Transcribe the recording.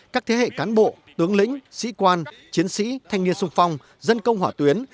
các thế hệ cán bộ tướng lĩnh sĩ quan chiến sĩ thanh niên sung phong dân công hỏa tuyến